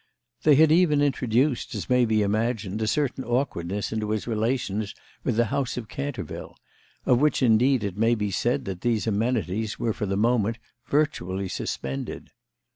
They had even introduced, as may be imagined, a certain awkwardness into his relations with the house of Canterville, of which indeed it may be said that these amenities were for the moment virtually suspended.